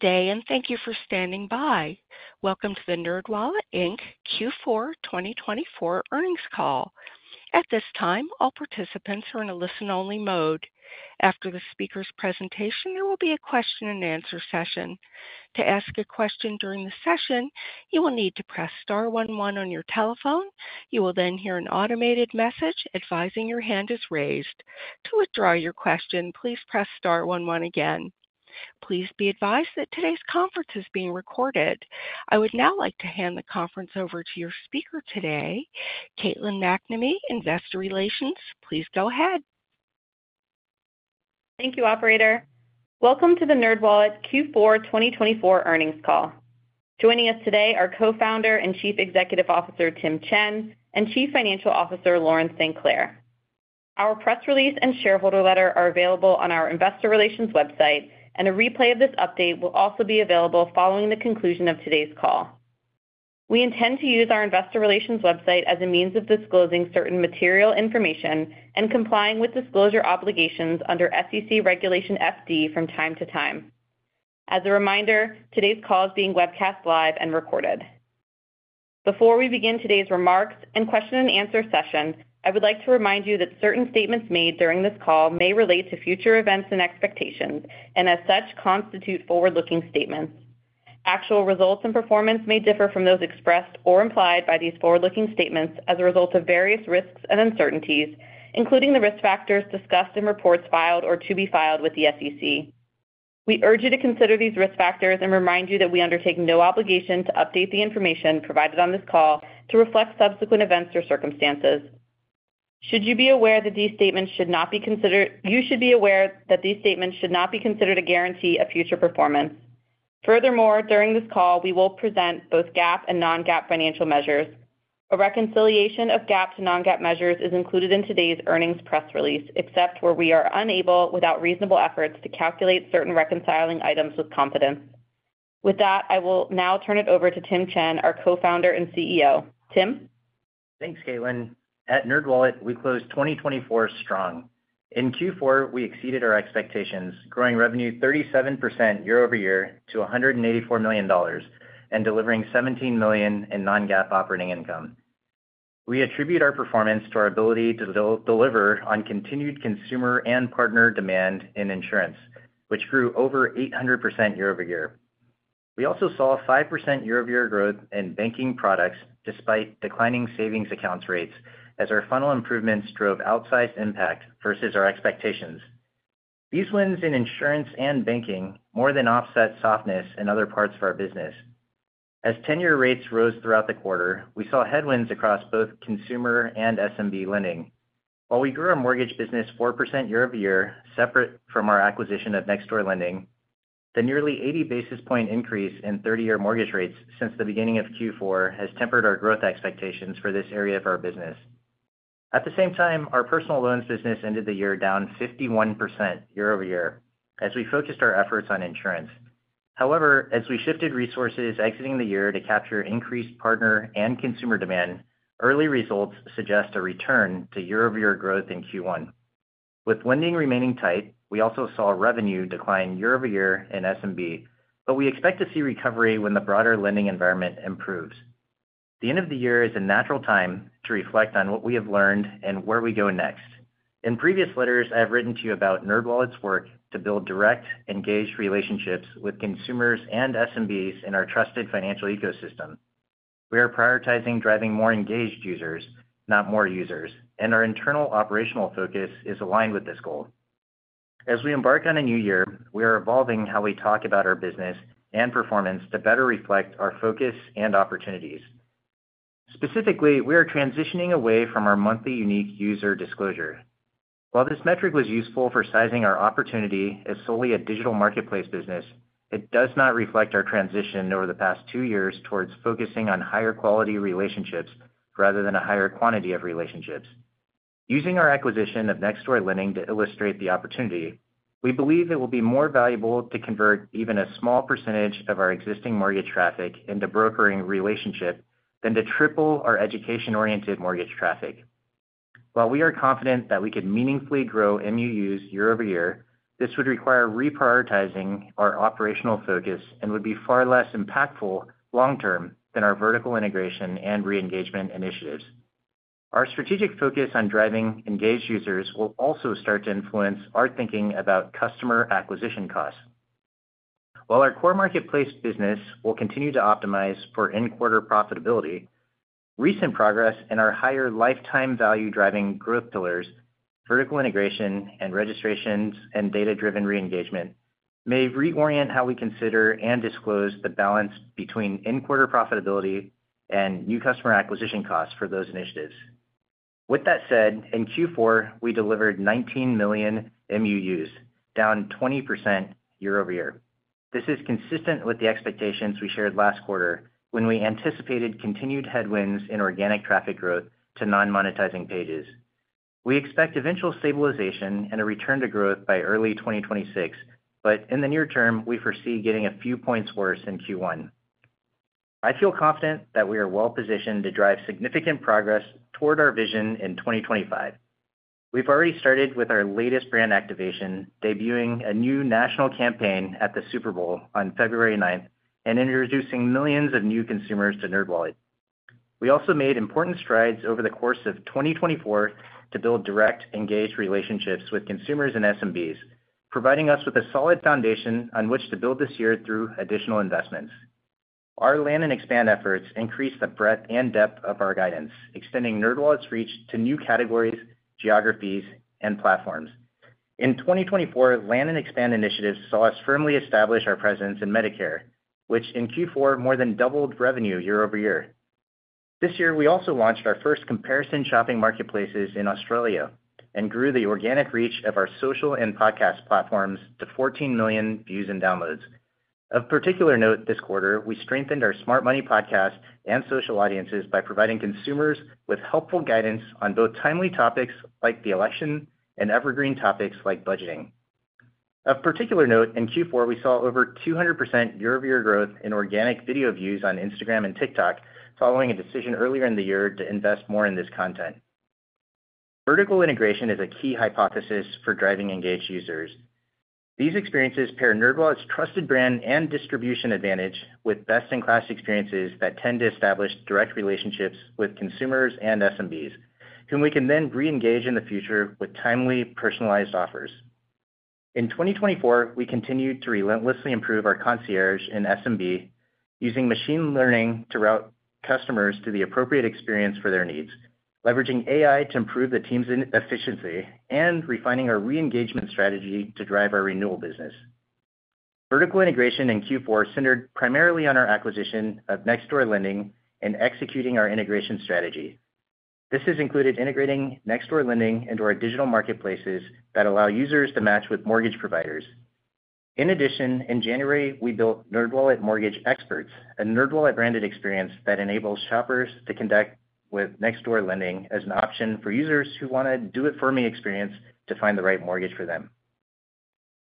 Good day, and thank you for standing by. Welcome to the NerdWallet Inc. Q4 2024 earnings call. At this time, all participants are in a listen-only mode. After the speaker's presentation, there will be a question-and-answer session. To ask a question during the session, you will need to press star 11 on your telephone. You will then hear an automated message advising your hand is raised. To withdraw your question, please press star 11 again. Please be advised that today's conference is being recorded. I would now like to hand the conference over to your speaker today, Caitlin MacNamee, Investor Relations. Please go ahead. Thank you, Operator. Welcome to the NerdWallet Q4 2024 earnings call. Joining us today are Co-founder and Chief Executive Officer Tim Chen and Chief Financial Officer Lauren St. Clair. Our press release and shareholder letter are available on our Investor Relations website, and a replay of this update will also be available following the conclusion of today's call. We intend to use our Investor Relations website as a means of disclosing certain material information and complying with disclosure obligations under SEC Regulation FD from time to time. As a reminder, today's call is being webcast live and recorded. Before we begin today's remarks and question-and-answer session, I would like to remind you that certain statements made during this call may relate to future events and expectations, and as such, constitute forward-looking statements. Actual results and performance may differ from those expressed or implied by these forward-looking statements as a result of various risks and uncertainties, including the risk factors discussed in reports filed or to be filed with the SEC. We urge you to consider these risk factors and remind you that we undertake no obligation to update the information provided on this call to reflect subsequent events or circumstances. You should be aware that these statements should not be considered a guarantee of future performance. Furthermore, during this call, we will present both GAAP and non-GAAP financial measures. A reconciliation of GAAP to non-GAAP measures is included in today's earnings press release, except where we are unable, without reasonable efforts, to calculate certain reconciling items with confidence. With that, I will now turn it over to Tim Chen, our Co-founder and CEO. Tim. Thanks, Caitlin. At NerdWallet, we closed 2024 strong. In Q4, we exceeded our expectations, growing revenue 37% year over year to $184 million and delivering $17 million in non-GAAP operating income. We attribute our performance to our ability to deliver on continued consumer and partner demand in insurance, which grew over 800% year over year. We also saw 5% year-over-year growth in banking products despite declining savings accounts rates as our funnel improvements drove outsized impact versus our expectations. These wins in insurance and banking more than offset softness in other parts of our business. As tenure rates rose throughout the quarter, we saw headwinds across both consumer and SMB lending. While we grew our mortgage business 4% year over year, separate from our acquisition of Next Door Lending, the nearly 80 basis points increase in 30-year mortgage rates since the beginning of Q4 has tempered our growth expectations for this area of our business. At the same time, our personal loans business ended the year down 51% year over year as we focused our efforts on insurance. However, as we shifted resources exiting the year to capture increased partner and consumer demand, early results suggest a return to year-over-year growth in Q1. With lending remaining tight, we also saw revenue decline year over year in SMB, but we expect to see recovery when the broader lending environment improves. The end of the year is a natural time to reflect on what we have learned and where we go next. In previous letters, I have written to you about NerdWallet's work to build direct, engaged relationships with consumers and SMBs in our trusted financial ecosystem. We are prioritizing driving more engaged users, not more users, and our internal operational focus is aligned with this goal. As we embark on a new year, we are evolving how we talk about our business and performance to better reflect our focus and opportunities. Specifically, we are transitioning away from our monthly unique user disclosure. While this metric was useful for sizing our opportunity as solely a digital marketplace business, it does not reflect our transition over the past two years towards focusing on higher quality relationships rather than a higher quantity of relationships. Using our acquisition of Nextdoor Lending to illustrate the opportunity, we believe it will be more valuable to convert even a small percentage of our existing mortgage traffic into brokering relationship than to triple our education-oriented mortgage traffic. While we are confident that we could meaningfully grow MUUs year over year, this would require reprioritizing our operational focus and would be far less impactful long-term than our vertical integration and re-engagement initiatives. Our strategic focus on driving engaged users will also start to influence our thinking about customer acquisition costs. While our core marketplace business will continue to optimize for in-quarter profitability, recent progress in our higher lifetime value-driving growth pillars, vertical integration, and registrations and data-driven re-engagement may reorient how we consider and disclose the balance between in-quarter profitability and new customer acquisition costs for those initiatives. With that said, in Q4, we delivered 19 million MUUs, down 20% year over year. This is consistent with the expectations we shared last quarter when we anticipated continued headwinds in organic traffic growth to non-monetizing pages. We expect eventual stabilization and a return to growth by early 2026, but in the near term, we foresee getting a few points worse in Q1. I feel confident that we are well-positioned to drive significant progress toward our vision in 2025. We've already started with our latest brand activation, debuting a new national campaign at the Super Bowl on February 9th and introducing millions of new consumers to NerdWallet. We also made important strides over the course of 2024 to build direct, engaged relationships with consumers and SMBs, providing us with a solid foundation on which to build this year through additional investments. Our land and expand efforts increase the breadth and depth of our guidance, extending NerdWallet's reach to new categories, geographies, and platforms. In 2024, land and expand initiatives saw us firmly establish our presence in Medicare, which in Q4 more than doubled revenue year over year. This year, we also launched our first comparison shopping marketplaces in Australia and grew the organic reach of our social and podcast platforms to 14 million views and downloads. Of particular note, this quarter, we strengthened our Smart Money Podcast and social audiences by providing consumers with helpful guidance on both timely topics like the election and evergreen topics like budgeting. Of particular note, in Q4, we saw over 200% year-over-year growth in organic video views on Instagram and TikTok, following a decision earlier in the year to invest more in this content. Vertical integration is a key hypothesis for driving engaged users. These experiences pair NerdWallet's trusted brand and distribution advantage with best-in-class experiences that tend to establish direct relationships with consumers and SMBs, whom we can then re-engage in the future with timely personalized offers. In 2024, we continued to relentlessly improve our concierge and SMB using machine learning to route customers to the appropriate experience for their needs, leveraging AI to improve the team's efficiency, and refining our re-engagement strategy to drive our renewal business. Vertical integration in Q4 centered primarily on our acquisition of Nextdoor Lending and executing our integration strategy. This has included integrating Nextdoor Lending into our digital marketplaces that allow users to match with mortgage providers. In addition, in January, we built NerdWallet Mortgage Experts, a NerdWallet-branded experience that enables shoppers to connect with Nextdoor Lending as an option for users who want a do-it-for-me experience to find the right mortgage for them.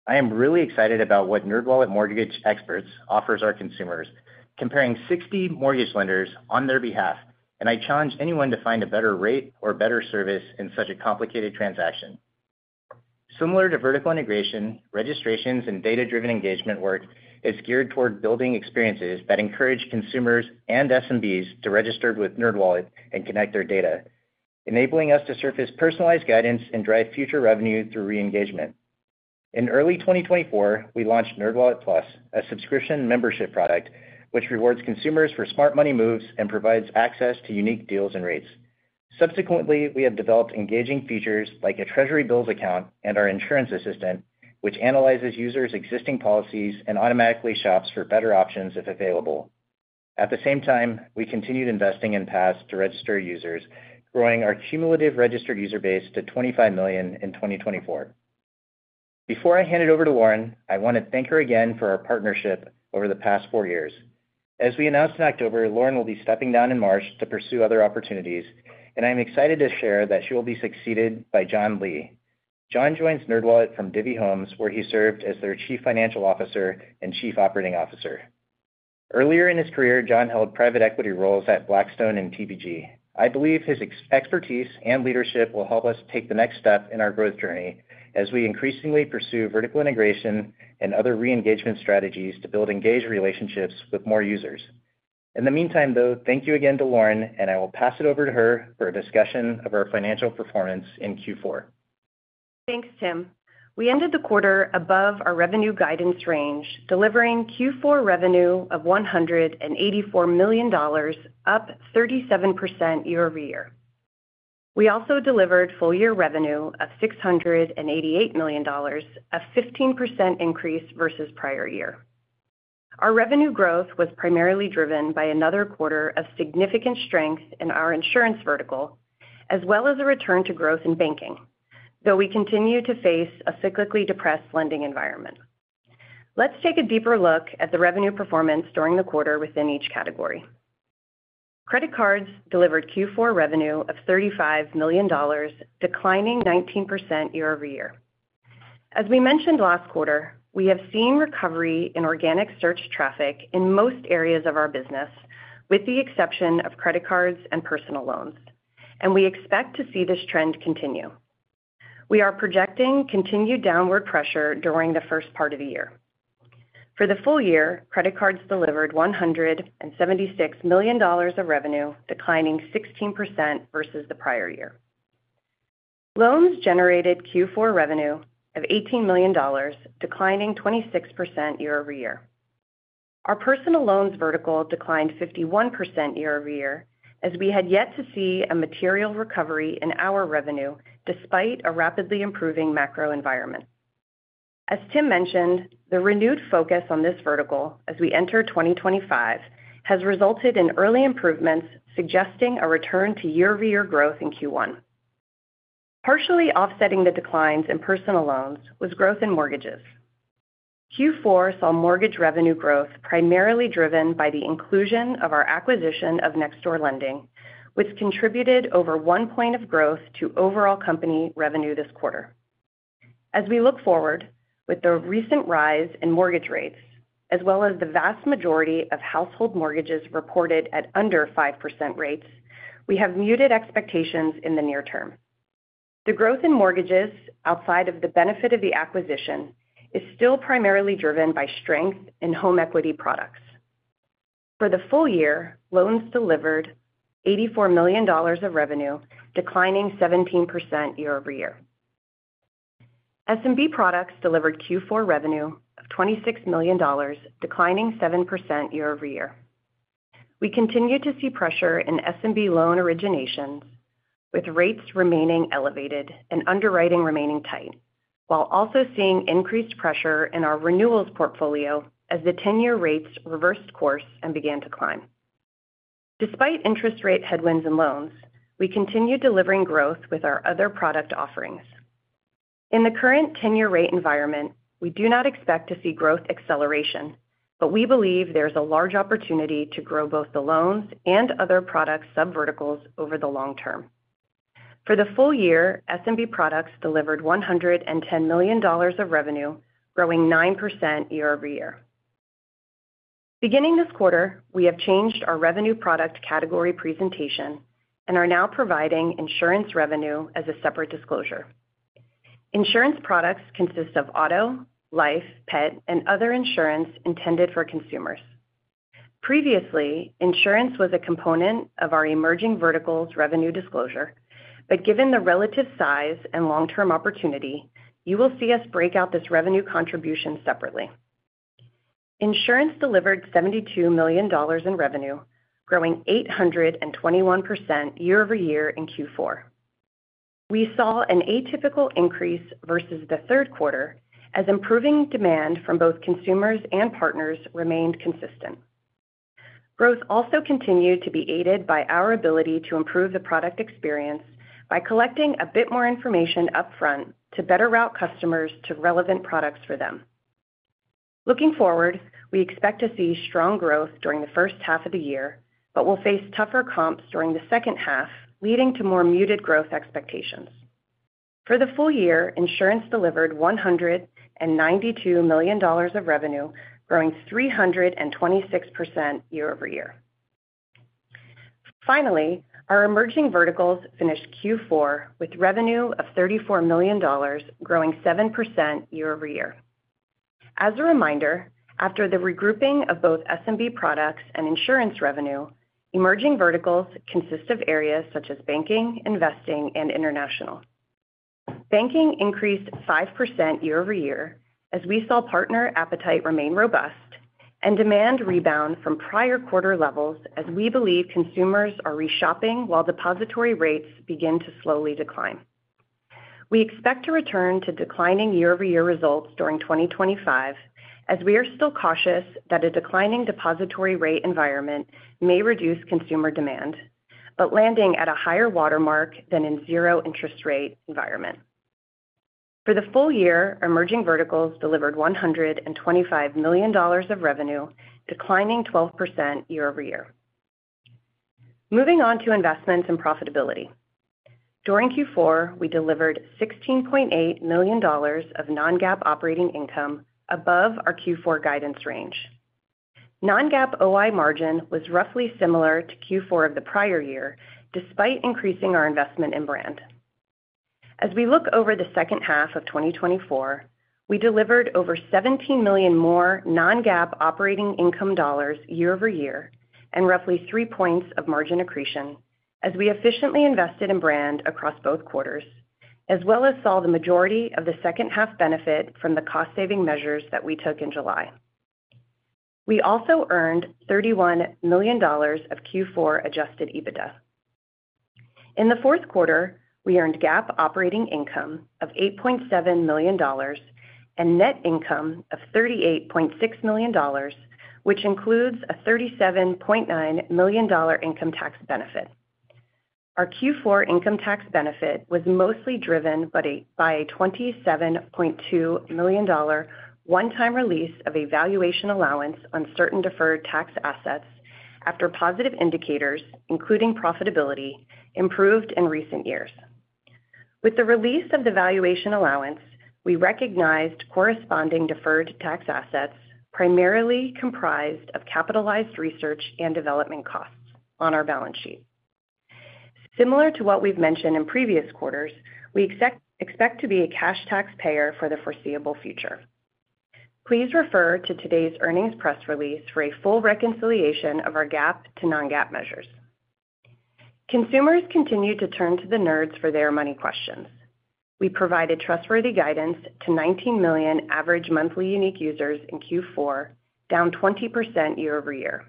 I am really excited about what NerdWallet Mortgage Experts offers our consumers, comparing 60 mortgage lenders on their behalf, and I challenge anyone to find a better rate or better service in such a complicated transaction. Similar to vertical integration, registrations and data-driven engagement work is geared toward building experiences that encourage consumers and SMBs to register with NerdWallet and connect their data, enabling us to surface personalized guidance and drive future revenue through re-engagement. In early 2024, we launched NerdWallet Plus, a subscription membership product which rewards consumers for smart money moves and provides access to unique deals and rates. Subsequently, we have developed engaging features like a Treasury bills account and our insurance assistant, which analyzes users' existing policies and automatically shops for better options if available. At the same time, we continued investing in PAS to register users, growing our cumulative registered user base to 25 million in 2024. Before I hand it over to Lauren, I want to thank her again for our partnership over the past four years. As we announced in October, Lauren will be stepping down in March to pursue other opportunities, and I'm excited to share that she will be succeeded by John Lee. John joins NerdWallet from Divvy Homes, where he served as their Chief Financial Officer and Chief Operating Officer. Earlier in his career, John held private equity roles at Blackstone and TPG. I believe his expertise and leadership will help us take the next step in our growth journey as we increasingly pursue vertical integration and other re-engagement strategies to build engaged relationships with more users. In the meantime, though, thank you again to Lauren, and I will pass it over to her for a discussion of our financial performance in Q4. Thanks, Tim. We ended the quarter above our revenue guidance range, delivering Q4 revenue of $184 million, up 37% year over year. We also delivered full-year revenue of $688 million, a 15% increase versus prior year. Our revenue growth was primarily driven by another quarter of significant strength in our insurance vertical, as well as a return to growth in banking, though we continue to face a cyclically depressed lending environment. Let's take a deeper look at the revenue performance during the quarter within each category. Credit cards delivered Q4 revenue of $35 million, declining 19% year over year. As we mentioned last quarter, we have seen recovery in organic search traffic in most areas of our business, with the exception of credit cards and personal loans, and we expect to see this trend continue. We are projecting continued downward pressure during the first part of the year. For the full year, credit cards delivered $176 million of revenue, declining 16% versus the prior year. Loans generated Q4 revenue of $18 million, declining 26% year over year. Our personal loans vertical declined 51% year over year, as we had yet to see a material recovery in our revenue despite a rapidly improving macro environment. As Tim mentioned, the renewed focus on this vertical as we enter 2025 has resulted in early improvements suggesting a return to year-over-year growth in Q1. Partially offsetting the declines in personal loans was growth in mortgages. Q4 saw mortgage revenue growth primarily driven by the inclusion of our acquisition of Nextdoor Lending, which contributed over one point of growth to overall company revenue this quarter. As we look forward, with the recent rise in mortgage rates, as well as the vast majority of household mortgages reported at under five% rates, we have muted expectations in the near term. The growth in mortgages outside of the benefit of the acquisition is still primarily driven by strength in home equity products. For the full year, loans delivered $84 million of revenue, declining 17% year over year. SMB products delivered Q4 revenue of $26 million, declining 7% year over year. We continue to see pressure in SMB loan originations, with rates remaining elevated and underwriting remaining tight, while also seeing increased pressure in our renewals portfolio as the 10-year rates reversed course and began to climb. Despite interest rate headwinds in loans, we continue delivering growth with our other product offerings. In the current 10-year rate environment, we do not expect to see growth acceleration, but we believe there is a large opportunity to grow both the loans and other product sub-verticals over the long term. For the full year, SMB products delivered $110 million of revenue, growing 9% year over year. Beginning this quarter, we have changed our revenue product category presentation and are now providing insurance revenue as a separate disclosure. Insurance products consist of auto, life, pet, and other insurance intended for consumers. Previously, insurance was a component of our emerging verticals revenue disclosure, but given the relative size and long-term opportunity, you will see us break out this revenue contribution separately. Insurance delivered $72 million in revenue, growing 821% year over year in Q4. We saw an atypical increase versus the third quarter as improving demand from both consumers and partners remained consistent. Growth also continued to be aided by our ability to improve the product experience by collecting a bit more information upfront to better route customers to relevant products for them. Looking forward, we expect to see strong growth during the first half of the year, but we'll face tougher comps during the second half, leading to more muted growth expectations. For the full year, insurance delivered $192 million of revenue, growing 326% year over year. Finally, our emerging verticals finished Q4 with revenue of $34 million, growing 7% year over year. As a reminder, after the regrouping of both SMB products and insurance revenue, emerging verticals consist of areas such as banking, investing, and international. Banking increased 5% year over year as we saw partner appetite remain robust and demand rebound from prior quarter levels as we believe consumers are reshopping while depository rates begin to slowly decline. We expect to return to declining year-over-year results during 2025 as we are still cautious that a declining depository rate environment may reduce consumer demand, but landing at a higher watermark than in zero-interest rate environment. For the full year, emerging verticals delivered $125 million of revenue, declining 12% year over year. Moving on to investments and profitability. During Q4, we delivered $16.8 million of non-GAAP operating income above our Q4 guidance range. Non-GAAP OI margin was roughly similar to Q4 of the prior year, despite increasing our investment in brand. As we look over the second half of 2024, we delivered over $17 million more non-GAAP operating income dollars year over year and roughly three points of margin accretion as we efficiently invested in brand across both quarters, as well as saw the majority of the second-half benefit from the cost-saving measures that we took in July. We also earned $31 million of Q4 Adjusted EBITDA. In the fourth quarter, we earned GAAP operating income of $8.7 million and net income of $38.6 million, which includes a $37.9 million income tax benefit. Our Q4 income tax benefit was mostly driven by a $27.2 million one-time release of a valuation allowance on certain deferred tax assets after positive indicators, including profitability, improved in recent years. With the release of the valuation allowance, we recognized corresponding deferred tax assets primarily comprised of capitalized research and development costs on our balance sheet. Similar to what we've mentioned in previous quarters, we expect to be a cash taxpayer for the foreseeable future. Please refer to today's earnings press release for a full reconciliation of our GAAP to Non-GAAP measures. Consumers continue to turn to the Nerds for their money questions. We provided trustworthy guidance to 19 million average monthly unique users in Q4, down 20% year over year.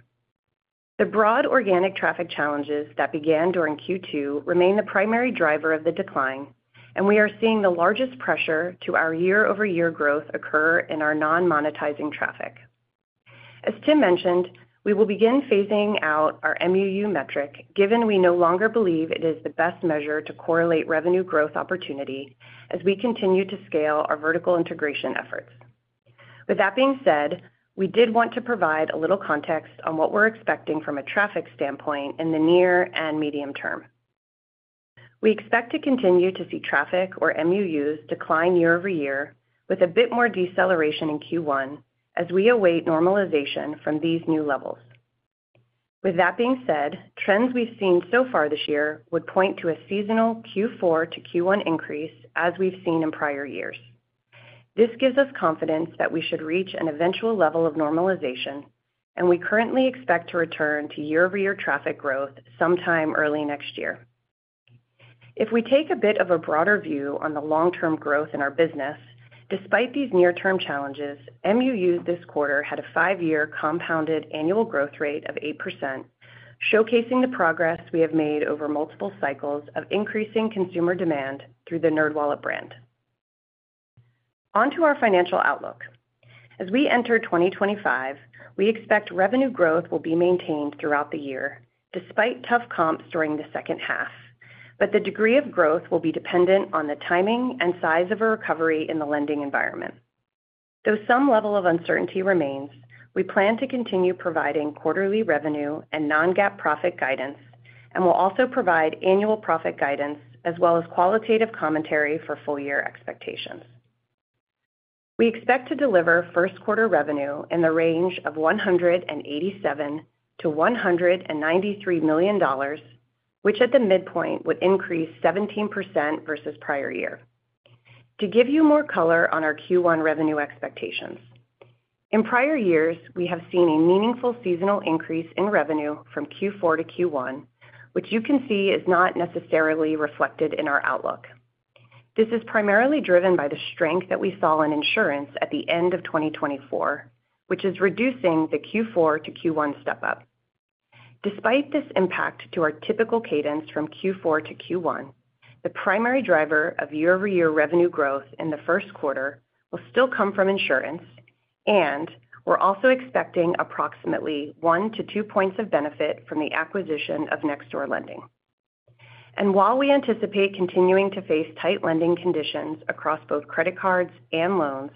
The broad organic traffic challenges that began during Q2 remain the primary driver of the decline, and we are seeing the largest pressure to our year-over-year growth occur in our non-monetizing traffic. As Tim mentioned, we will begin phasing out our MUU metric, given we no longer believe it is the best measure to correlate revenue growth opportunity as we continue to scale our vertical integration efforts. With that being said, we did want to provide a little context on what we're expecting from a traffic standpoint in the near and medium term. We expect to continue to see traffic or MUUs decline year over year with a bit more deceleration in Q1 as we await normalization from these new levels. With that being said, trends we've seen so far this year would point to a seasonal Q4 to Q1 increase as we've seen in prior years. This gives us confidence that we should reach an eventual level of normalization, and we currently expect to return to year-over-year traffic growth sometime early next year. If we take a bit of a broader view on the long-term growth in our business, despite these near-term challenges, MUU this quarter had a five-year compounded annual growth rate of 8%, showcasing the progress we have made over multiple cycles of increasing consumer demand through the NerdWallet brand. Onto our financial outlook. As we enter 2025, we expect revenue growth will be maintained throughout the year despite tough comps during the second half, but the degree of growth will be dependent on the timing and size of a recovery in the lending environment. Though some level of uncertainty remains, we plan to continue providing quarterly revenue and non-GAAP profit guidance and will also provide annual profit guidance as well as qualitative commentary for full-year expectations. We expect to deliver first-quarter revenue in the range of $187-$193 million, which at the midpoint would increase 17% versus prior year. To give you more color on our Q1 revenue expectations, in prior years, we have seen a meaningful seasonal increase in revenue from Q4 to Q1, which you can see is not necessarily reflected in our outlook. This is primarily driven by the strength that we saw in insurance at the end of 2024, which is reducing the Q4 to Q1 step-up. Despite this impact to our typical cadence from Q4 to Q1, the primary driver of year-over-year revenue growth in the first quarter will still come from insurance, and we're also expecting approximately one to two points of benefit from the acquisition of Nextdoor Lending, and while we anticipate continuing to face tight lending conditions across both credit cards and loans,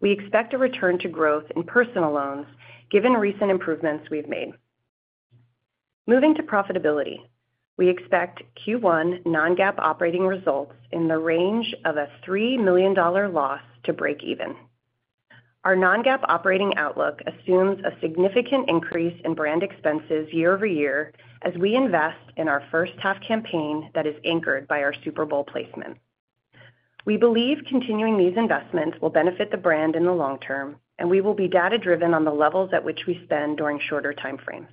we expect a return to growth in personal loans given recent improvements we've made. Moving to profitability, we expect Q1 non-GAAP operating results in the range of a $3 million loss to break even. Our non-GAAP operating outlook assumes a significant increase in brand expenses year over year as we invest in our first-half campaign that is anchored by our Super Bowl placement. We believe continuing these investments will benefit the brand in the long term, and we will be data-driven on the levels at which we spend during shorter timeframes.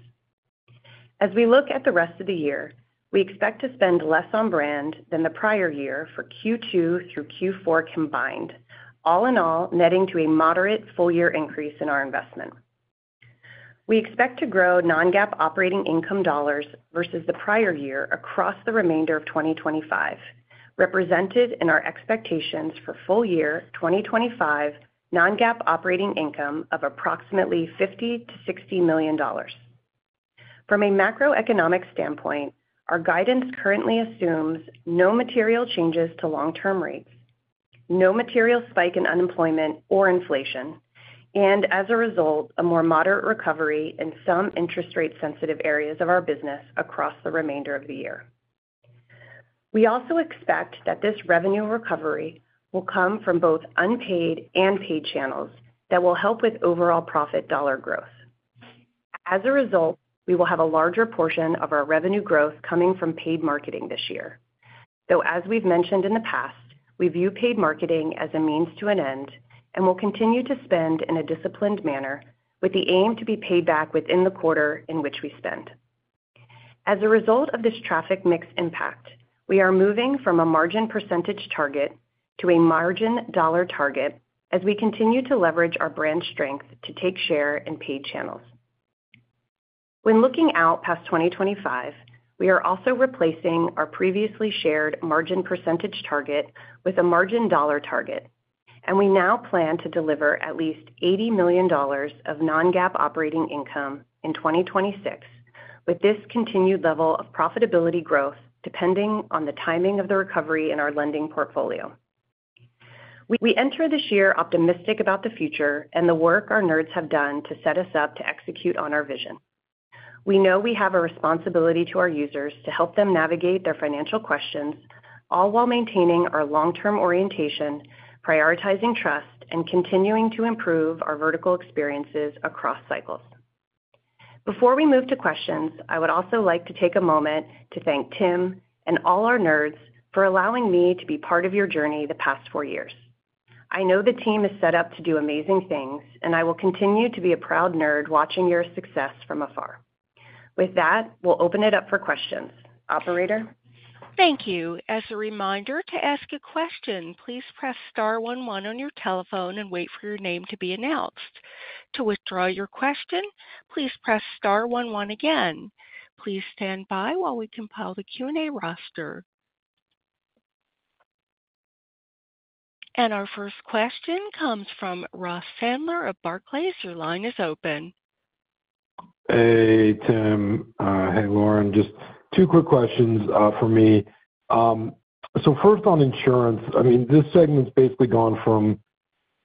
As we look at the rest of the year, we expect to spend less on brand than the prior year for Q2 through Q4 combined, all in all netting to a moderate full-year increase in our investment. We expect to grow non-GAAP operating income dollars versus the prior year across the remainder of 2025, represented in our expectations for full-year 2025 non-GAAP operating income of approximately $50-$60 million. From a macroeconomic standpoint, our guidance currently assumes no material changes to long-term rates, no material spike in unemployment or inflation, and as a result, a more moderate recovery in some interest rate-sensitive areas of our business across the remainder of the year. We also expect that this revenue recovery will come from both unpaid and paid channels that will help with overall profit dollar growth. As a result, we will have a larger portion of our revenue growth coming from paid marketing this year, though as we've mentioned in the past, we view paid marketing as a means to an end and will continue to spend in a disciplined manner with the aim to be paid back within the quarter in which we spend. As a result of this traffic mix impact, we are moving from a margin percentage target to a margin dollar target as we continue to leverage our brand strength to take share in paid channels. When looking out past 2025, we are also replacing our previously shared margin percentage target with a margin dollar target, and we now plan to deliver at least $80 million of non-GAAP operating income in 2026 with this continued level of profitability growth depending on the timing of the recovery in our lending portfolio. We enter this year optimistic about the future and the work our nerds have done to set us up to execute on our vision. We know we have a responsibility to our users to help them navigate their financial questions, all while maintaining our long-term orientation, prioritizing trust, and continuing to improve our vertical experiences across cycles. Before we move to questions, I would also like to take a moment to thank Tim and all our nerds for allowing me to be part of your journey the past four years. I know the team is set up to do amazing things, and I will continue to be a proud nerd watching your success from afar. With that, we'll open it up for questions. Operator. Thank you. As a reminder to ask a question, please press star 11 on your telephone and wait for your name to be announced. To withdraw your question, please press star 11 again. Please stand by while we compile the Q&A roster, and our first question comes from Ross Sandler of Barclays. Your line is open. Hey, Tim. Hey, Lauren. Just two quick questions for me, so first, on insurance, I mean, this segment's basically gone from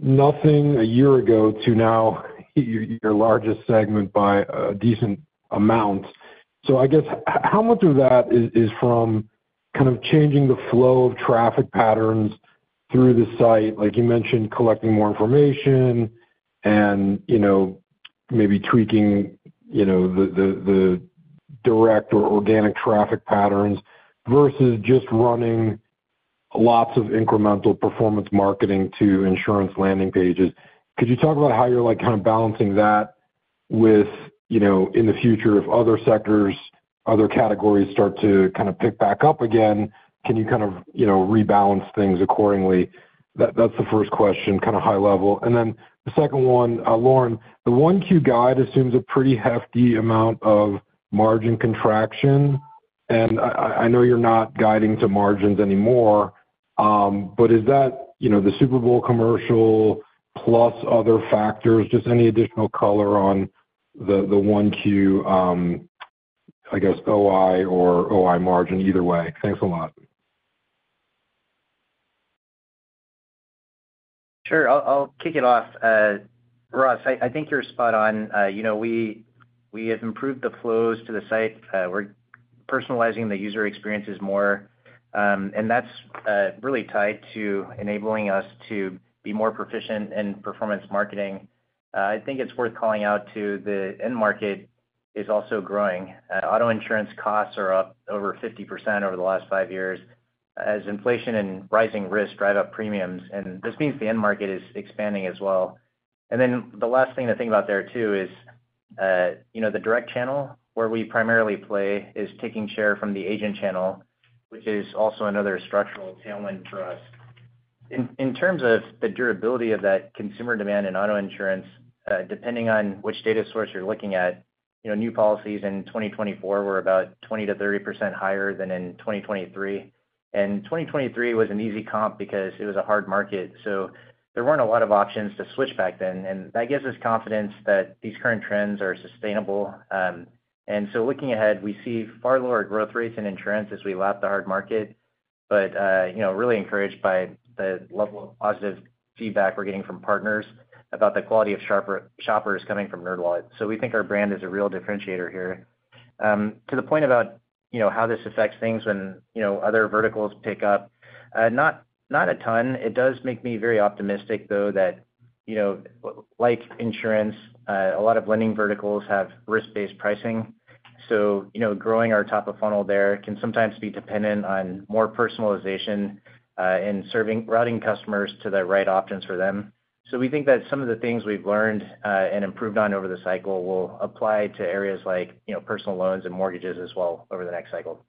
nothing a year ago to now your largest segment by a decent amount, so I guess how much of that is from kind of changing the flow of traffic patterns through the site? Like you mentioned, collecting more information and maybe tweaking the direct or organic traffic patterns versus just running lots of incremental performance marketing to insurance landing pages. Could you talk about how you're kind of balancing that with, in the future, if other sectors, other categories start to kind of pick back up again, can you kind of rebalance things accordingly? That's the first question, kind of high level. And then the second one, Lauren, the Q1 guide assumes a pretty hefty amount of margin contraction. And I know you're not guiding to margins anymore, but is that the Super Bowl commercial plus other factors, just any additional color on the Q1, I guess, OI or OI margin either way? Thanks a lot. Sure. I'll kick it off. Ross, I think you're spot on. We have improved the flows to the site. We're personalizing the user experiences more, and that's really tied to enabling us to be more proficient in performance marketing. I think it's worth calling out to the end market is also growing. Auto insurance costs are up over 50% over the last five years as inflation and rising risk drive up premiums, and this means the end market is expanding as well, and then the last thing to think about there too is the direct channel where we primarily play is taking share from the agent channel, which is also another structural tailwind for us. In terms of the durability of that consumer demand in auto insurance, depending on which data source you're looking at, new policies in 2024 were about 20%-30% higher than in 2023, and 2023 was an easy comp because it was a hard market. So there weren't a lot of options to switch back then. And that gives us confidence that these current trends are sustainable. And so looking ahead, we see far lower growth rates in insurance as we lap the hard market, but really encouraged by the level of positive feedback we're getting from partners about the quality of shoppers coming from NerdWallet. So we think our brand is a real differentiator here. To the point about how this affects things when other verticals pick up, not a ton. It does make me very optimistic, though, that like insurance, a lot of lending verticals have risk-based pricing. So growing our top of funnel there can sometimes be dependent on more personalization and routing customers to the right options for them. So we think that some of the things we've learned and improved on over the cycle will apply to areas like personal loans and mortgages as well over the next cycle.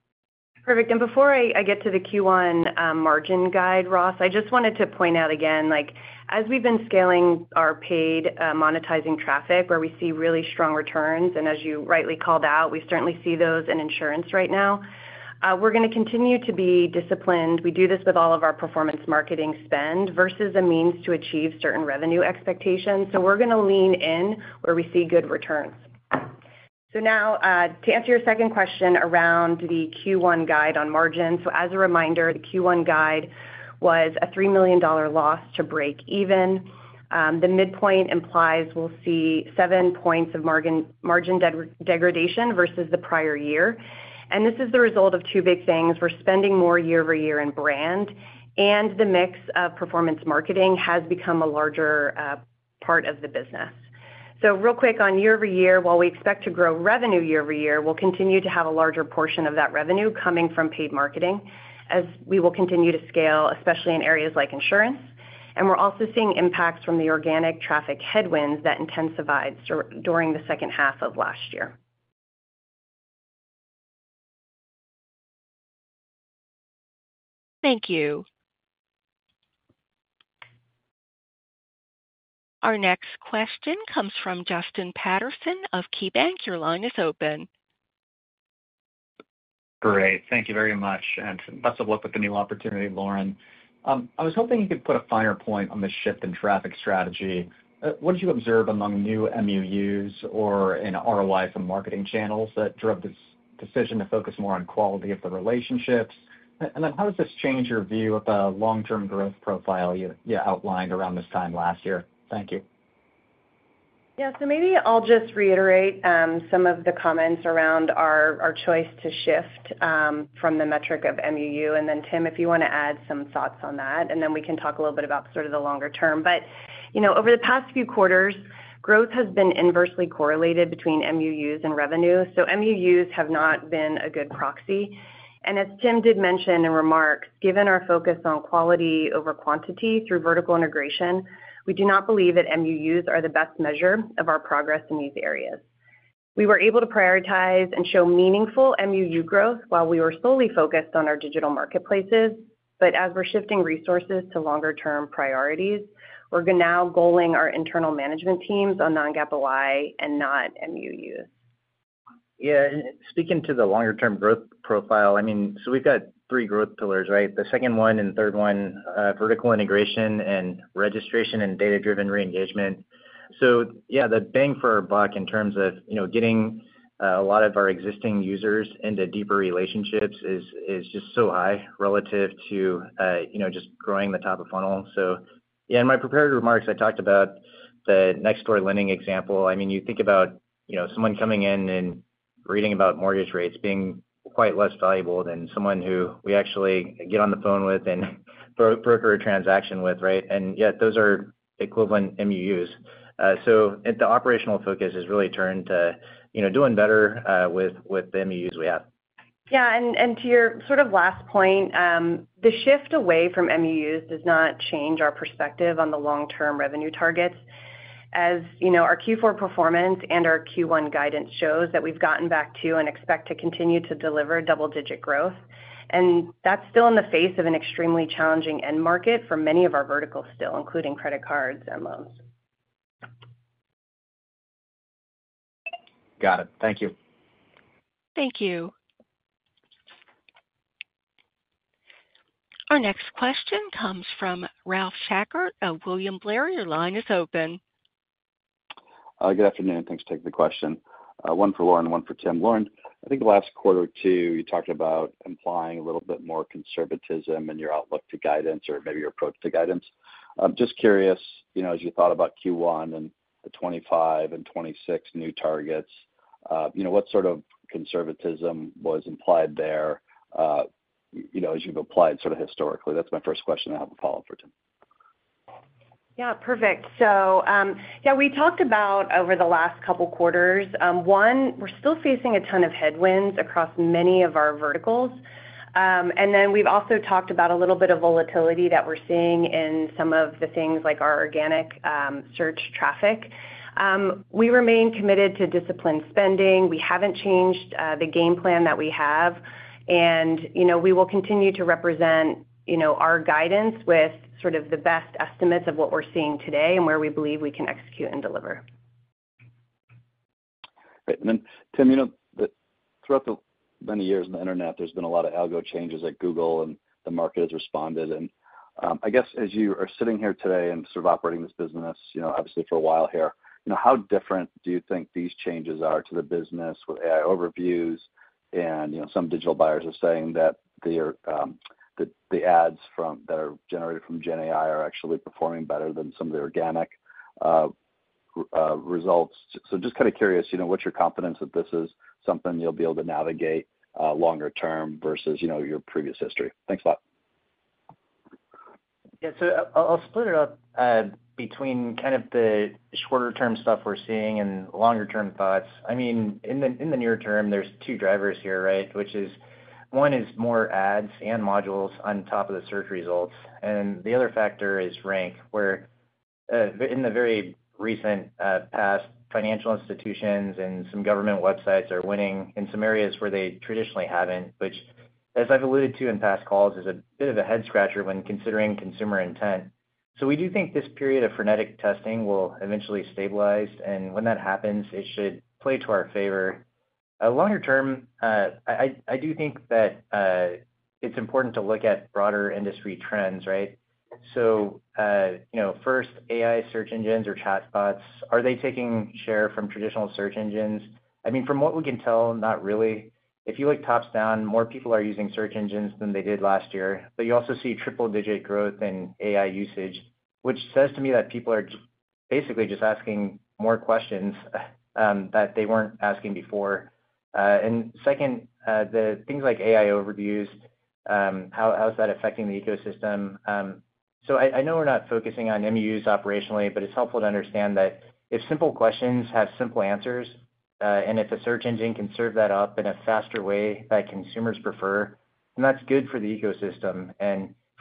Perfect. And before I get to the Q1 margin guide, Ross, I just wanted to point out again, as we've been scaling our paid monetizing traffic where we see really strong returns, and as you rightly called out, we certainly see those in insurance right now, we're going to continue to be disciplined. We do this with all of our performance marketing spend versus a means to achieve certain revenue expectations. So we're going to lean in where we see good returns. So now, to answer your second question around the Q1 guide on margins, so as a reminder, the Q1 guide was a $3 million loss to break even. The midpoint implies we'll see seven points of margin degradation versus the prior year, and this is the result of two big things. We're spending more year over year in brand, and the mix of performance marketing has become a larger part of the business, so real quick on year over year, while we expect to grow revenue year over year, we'll continue to have a larger portion of that revenue coming from paid marketing as we will continue to scale, especially in areas like insurance, and we're also seeing impacts from the organic traffic headwinds that intensified during the second half of last year. Thank you. Our next question comes from Justin Patterson of KeyBanc. Your line is open. Great. Thank you very much, and best of luck with the new opportunity, Lauren. I was hoping you could put a finer point on the shift in traffic strategy. What did you observe among new MUUs or in ROI from marketing channels that drove this decision to focus more on quality of the relationships? And then how does this change your view of the long-term growth profile you outlined around this time last year? Thank you. Yeah. So maybe I'll just reiterate some of the comments around our choice to shift from the metric of MUU. And then, Tim, if you want to add some thoughts on that, and then we can talk a little bit about sort of the longer term. But over the past few quarters, growth has been inversely correlated between MUUs and revenue. So MUUs have not been a good proxy. And as Tim did mention in remarks, given our focus on quality over quantity through vertical integration, we do not believe that MUUs are the best measure of our progress in these areas. We were able to prioritize and show meaningful MUU growth while we were solely focused on our digital marketplaces. But as we're shifting resources to longer-term priorities, we're now goaling our internal management teams on non-GAAP OI and not MUUs. Yeah. And speaking to the longer-term growth profile, I mean, so we've got three growth pillars, right? The second one and third one, vertical integration and registration and data-driven reengagement. So yeah, the bang for our buck in terms of getting a lot of our existing users into deeper relationships is just so high relative to just growing the top of funnel. So yeah, in my prepared remarks, I talked about the Nextdoor Lending example. I mean, you think about someone coming in and reading about mortgage rates being quite less valuable than someone who we actually get on the phone with and broker a transaction with, right? And yet, those are equivalent MUUs. So the operational focus has really turned to doing better with the MUUs we have. Yeah. And to your sort of last point, the shift away from MUUs does not change our perspective on the long-term revenue targets. As our Q4 performance and our Q1 guidance shows that we've gotten back to and expect to continue to deliver double-digit growth. And that's still in the face of an extremely challenging end market for many of our verticals still, including credit cards and loans. Got it. Thank you. Thank you. Our next question comes from Ralph Schackart of William Blair. Your line is open. Good afternoon. Thanks for taking the question. One for Lauren, one for Tim. Lauren, I think the last quarter or two, you talked about implying a little bit more conservatism in your outlook to guidance or maybe your approach to guidance. Just curious, as you thought about Q1 and the 25 and 26 new targets, what sort of conservatism was implied there as you've applied sort of historically? That's my first question I have a follow-up for, Tim. Yeah. Perfect. So yeah, we talked about over the last couple of quarters, one, we're still facing a ton of headwinds across many of our verticals. And then we've also talked about a little bit of volatility that we're seeing in some of the things like our organic search traffic. We remain committed to disciplined spending. We haven't changed the game plan that we have. And we will continue to represent our guidance with sort of the best estimates of what we're seeing today and where we believe we can execute and deliver. Great. And then, Tim, throughout the many years on the internet, there's been a lot of algo changes at Google, and the market has responded. And I guess as you are sitting here today and sort of operating this business, obviously for a while here, how different do you think these changes are to the business with AI overviews? And some digital buyers are saying that the ads that are generated from GenAI are actually performing better than some of the organic results. So just kind of curious, what's your confidence that this is something you'll be able to navigate longer term versus your previous history? Thanks a lot. Yeah. So I'll split it up between kind of the shorter-term stuff we're seeing and longer-term thoughts. I mean, in the near term, there's two drivers here, right? One is more ads and modules on top of the search results. And the other factor is rank, where in the very recent past, financial institutions and some government websites are winning in some areas where they traditionally haven't, which, as I've alluded to in past calls, is a bit of a head-scratcher when considering consumer intent. So we do think this period of frenetic testing will eventually stabilize. And when that happens, it should play to our favor. Longer term, I do think that it's important to look at broader industry trends, right? So first, AI search engines or chatbots, are they taking share from traditional search engines? I mean, from what we can tell, not really. If you look top down, more people are using search engines than they did last year. But you also see triple-digit growth in AI usage, which says to me that people are basically just asking more questions that they weren't asking before. Second, the things like AI overviews, how is that affecting the ecosystem? I know we're not focusing on MUUs operationally, but it's helpful to understand that if simple questions have simple answers, and if a search engine can serve that up in a faster way that consumers prefer, then that's good for the ecosystem.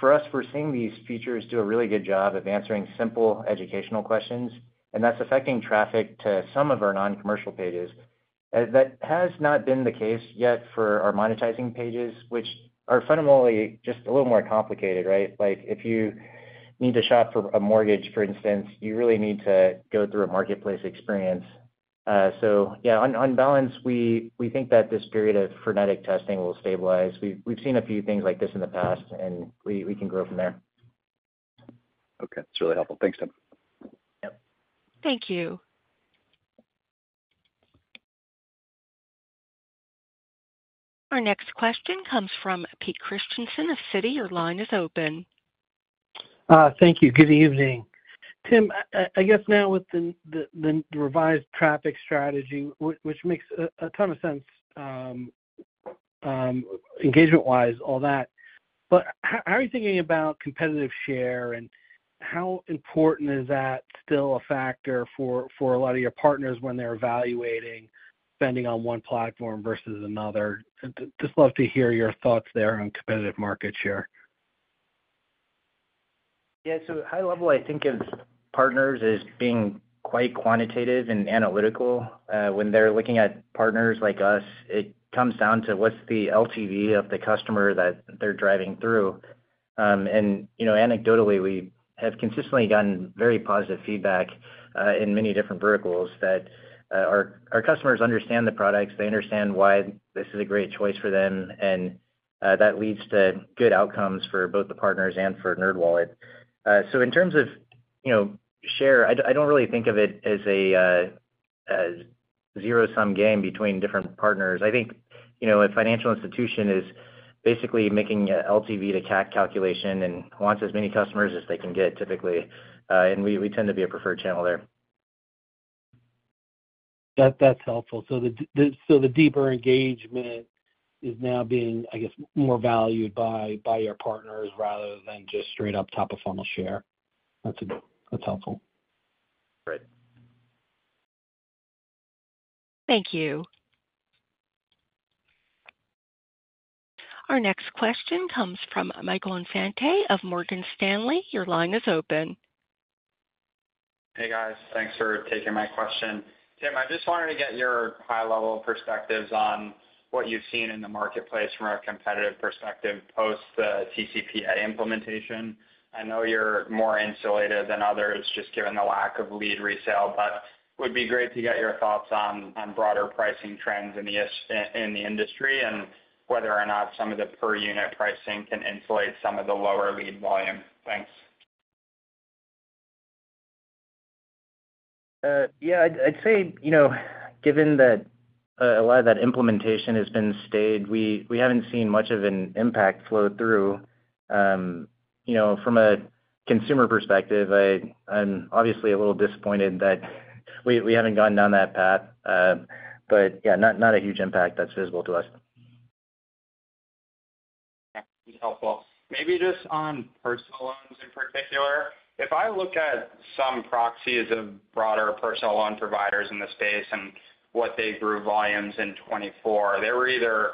For us, we're seeing these features do a really good job of answering simple educational questions. That's affecting traffic to some of our non-commercial pages. That has not been the case yet for our monetizing pages, which are fundamentally just a little more complicated, right? If you need to shop for a mortgage, for instance, you really need to go through a marketplace experience. Yeah, on balance, we think that this period of frenetic testing will stabilize. We've seen a few things like this in the past, and we can grow from there. Okay. That's really helpful. Thanks, Tim. Yep. Thank you. Our next question comes from Pete Christiansen of Citi. Your line is open. Thank you. Good evening. Tim, I guess now with the revised traffic strategy, which makes a ton of sense engagement-wise, all that, but how are you thinking about competitive share? And how important is that still a factor for a lot of your partners when they're evaluating spending on one platform versus another? Just love to hear your thoughts there on competitive market share. Yeah. So high level, I think of partners as being quite quantitative and analytical. When they're looking at partners like us, it comes down to what's the LTV of the customer that they're driving through. Anecdotally, we have consistently gotten very positive feedback in many different verticals that our customers understand the products. They understand why this is a great choice for them. And that leads to good outcomes for both the partners and for NerdWallet. So in terms of share, I don't really think of it as a zero-sum game between different partners. I think a financial institution is basically making an LTV-to-CAC calculation and wants as many customers as they can get, typically. And we tend to be a preferred channel there. That's helpful. So the deeper engagement is now being, I guess, more valued by your partners rather than just straight-up top-of-funnel share. That's helpful. Great. Thank you. Our next question comes from Michael Infante of Morgan Stanley. Your line is open. Hey, guys. Thanks for taking my question. Tim, I just wanted to get your high-level perspectives on what you've seen in the marketplace from a competitive perspective post-TCPA implementation. I know you're more insulated than others just given the lack of lead resale, but it would be great to get your thoughts on broader pricing trends in the industry and whether or not some of the per-unit pricing can insulate some of the lower lead volume. Thanks. Yeah. I'd say given that a lot of that implementation has been stayed, we haven't seen much of an impact flow through. From a consumer perspective, I'm obviously a little disappointed that we haven't gone down that path. But yeah, not a huge impact that's visible to us. Okay. That's helpful. Maybe just on personal loans in particular, if I look at some proxies of broader personal loan providers in the space and what they grew volumes in 2024, they were either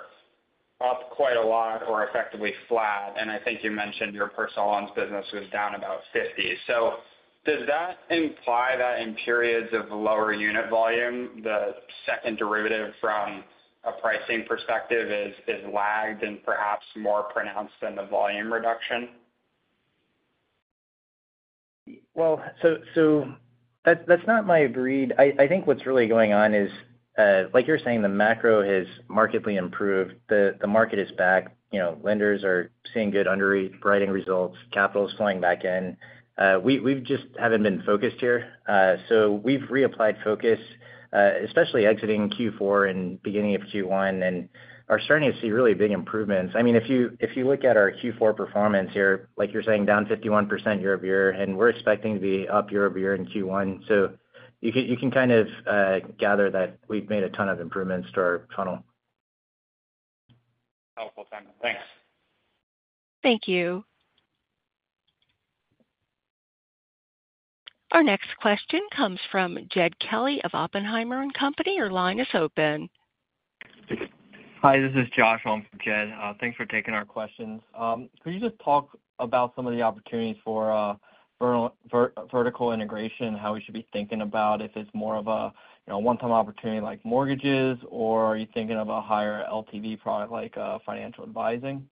up quite a lot or effectively flat. And I think you mentioned your personal loans business was down about 50%. So does that imply that in periods of lower unit volume, the second derivative from a pricing perspective is lagged and perhaps more pronounced than the volume reduction? Well, so that's not my read. I think what's really going on is, like you're saying, the macro has markedly improved. The market is back. Lenders are seeing good underwriting results. Capital is flowing back in. We just haven't been focused here. So we've reapplied focus, especially exiting Q4 and beginning of Q1, and are starting to see really big improvements. I mean, if you look at our Q4 performance here, like you're saying, down 51% year over year, and we're expecting to be up year over year in Q1. So you can kind of gather that we've made a ton of improvements to our funnel. Helpful, Tim. Thanks. Thank you. Our next question comes from Jed Kelly of Oppenheimer & Co. Your line is open. Hi. This is Josh. I'm from Jed. Thanks for taking our questions. Could you just talk about some of the opportunities for vertical integration and how we should be thinking about if it's more of a one-time opportunity like mortgages, or are you thinking of a higher LTV product like financial advising?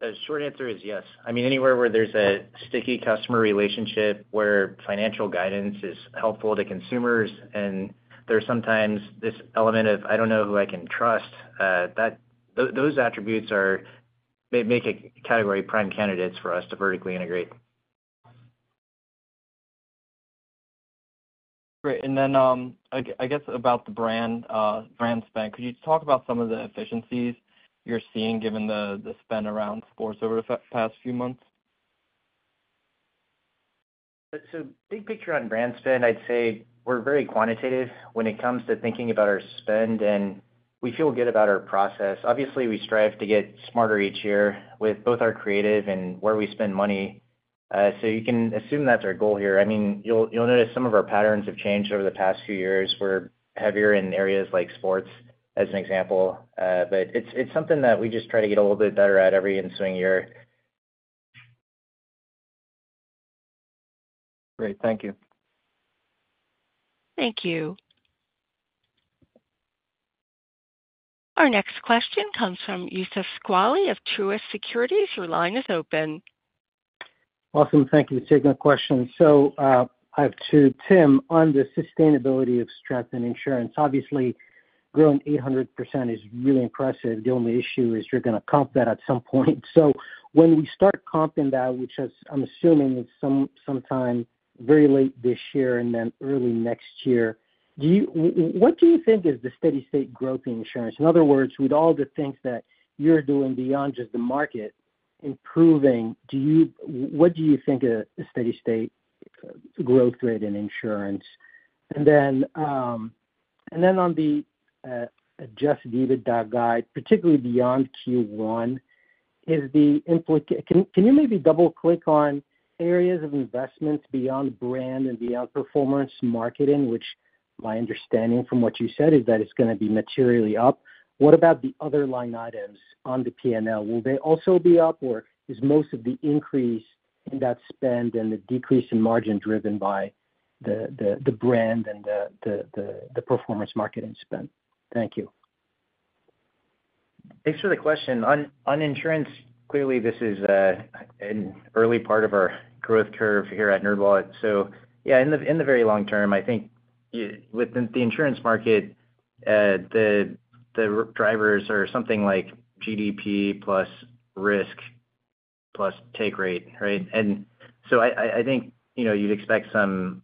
The short answer is yes. I mean, anywhere where there's a sticky customer relationship where financial guidance is helpful to consumers and there's sometimes this element of, "I don't know who I can trust," those attributes make a category of prime candidates for us to vertically integrate. Great. And then I guess about the brand spend, could you talk about some of the efficiencies you're seeing given the spend around sports over the past few months? So big picture on brand spend, I'd say we're very quantitative when it comes to thinking about our spend, and we feel good about our process. Obviously, we strive to get smarter each year with both our creative and where we spend money. So you can assume that's our goal here. I mean, you'll notice some of our patterns have changed over the past few years. We're heavier in areas like sports, as an example. But it's something that we just try to get a little bit better at every ensuing year. Great. Thank you. Thank you. Our next question comes from Youssef Squali of Truist Securities. Your line is open. Awesome. Thank you for taking the question. So I have two. Tim, on the sustainability of strength in insurance, obviously, growing 800% is really impressive. The only issue is you're going to comp that at some point. So when we start comping that, which I'm assuming is sometime very late this year and then early next year, what do you think is the steady-state growth in insurance? In other words, with all the things that you're doing beyond just the market improving, what do you think of the steady-state growth rate in insurance? On the adjusted EBITDA guidance, particularly beyond Q1, can you maybe double-click on areas of investments beyond brand and beyond performance marketing, which my understanding from what you said is that it's going to be materially up? What about the other line items on the P&L? Will they also be up, or is most of the increase in that spend and the decrease in margin driven by the brand and the performance marketing spend? Thank you. Thanks for the question. On insurance, clearly, this is an early part of our growth curve here at NerdWallet. So yeah, in the very long term, I think with the insurance market, the drivers are something like GDP plus risk plus take rate, right? And so I think you'd expect some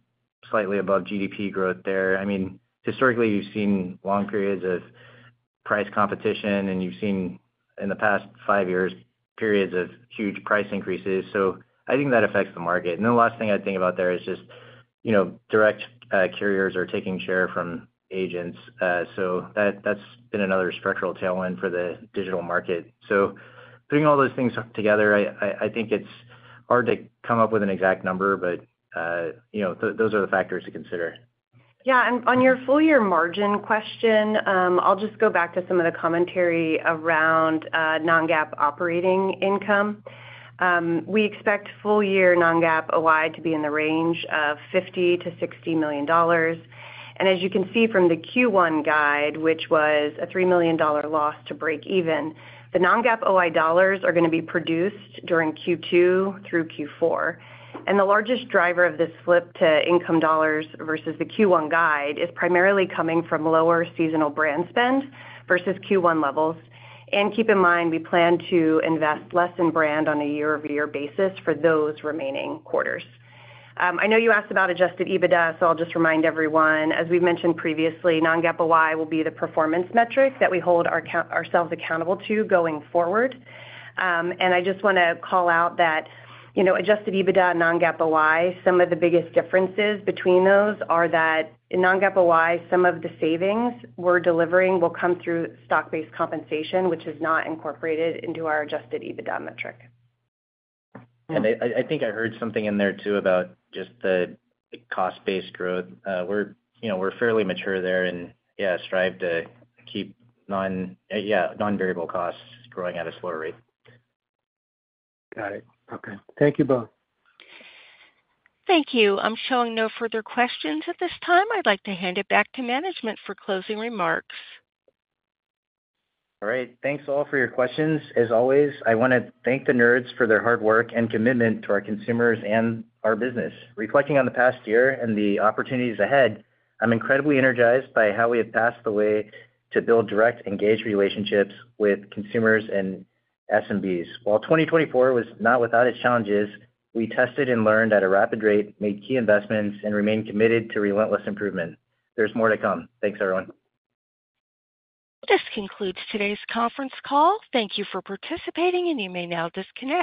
slightly above GDP growth there. I mean, historically, you've seen long periods of price competition, and you've seen in the past five years periods of huge price increases. So I think that affects the market. And then the last thing I'd think about there is just direct carriers are taking share from agents. So that's been another structural tailwind for the digital market. So putting all those things together, I think it's hard to come up with an exact number, but those are the factors to consider. Yeah. And on your full-year margin question, I'll just go back to some of the commentary around non-GAAP operating income. We expect full-year non-GAAP OI to be in the range of $50-$60 million. And as you can see from the Q1 guide, which was a $3 million loss to break even, the non-GAAP OI dollars are going to be produced during Q2 through Q4. The largest driver of this flip to income dollars versus the Q1 guide is primarily coming from lower seasonal brand spend versus Q1 levels. Keep in mind, we plan to invest less in brand on a year-over-year basis for those remaining quarters. I know you asked about Adjusted EBITDA, so I'll just remind everyone. As we've mentioned previously, non-GAAP OI will be the performance metric that we hold ourselves accountable to going forward. I just want to call out that Adjusted EBITDA and non-GAAP OI, some of the biggest differences between those are that in non-GAAP OI, some of the savings we're delivering will come through stock-based compensation, which is not incorporated into our Adjusted EBITDA metric. I think I heard something in there too about just the cost-based growth. We're fairly mature there and, yeah, strive to keep non-variable costs growing at a slower rate. Got it. Okay. Thank you both. Thank you. I'm showing no further questions at this time. I'd like to hand it back to management for closing remarks. All right. Thanks all for your questions. As always, I want to thank the nerds for their hard work and commitment to our consumers and our business. Reflecting on the past year and the opportunities ahead, I'm incredibly energized by how we have paved the way to build direct engaged relationships with consumers and SMBs. While 2024 was not without its challenges, we tested and learned at a rapid rate, made key investments, and remained committed to relentless improvement. There's more to come. Thanks, everyone. This concludes today's conference call. Thank you for participating, and you may now disconnect.